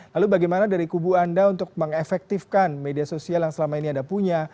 lalu bagaimana dari kubu anda untuk mengefektifkan media sosial yang selama ini anda punya